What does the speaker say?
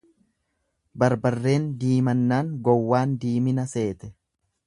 Barbarreen diimannaan gowwaan diimina seete.